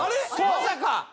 まさか？